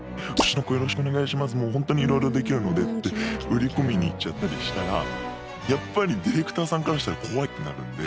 そしたら母親が入ってって売り込みに行っちゃったりしたらやっぱりディレクターさんからしたらこわいってなるんで。